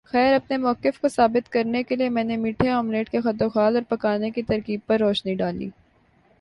خیر اپنے موقف کو ثابت کرنے کے لئے میں نے میٹھے آملیٹ کے خدوخال اور پکانے کی ترکیب پر روشنی ڈالی